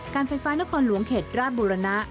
การไฟฟ้านครหลวงเขตราชบุรณะ